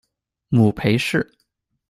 母裴氏。